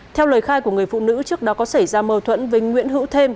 theo lời khai của người phụ nữ trước đó có xảy ra mâu thuẫn với nguyễn hữu thêm